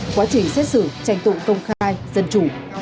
quá trình xét xử tranh tụng công khai dân chủ